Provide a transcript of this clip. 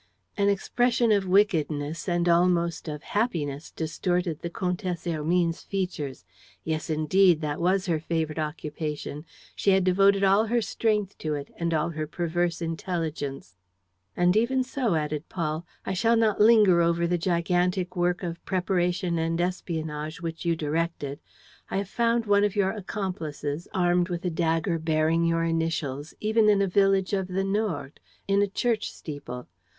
An expression of wickedness and almost of happiness distorted the Comtesse Hermine's features. Yes, indeed, that was her favorite occupation. She had devoted all her strength to it and all her perverse intelligence. "And even so," added Paul, "I shall not linger over the gigantic work of preparation and espionage which you directed. I have found one of your accomplices, armed with a dagger bearing your initials, even in a village of the Nord, in a church steeple.